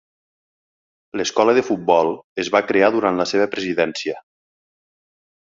L'escola de Futbol es va crear durant la seva presidència.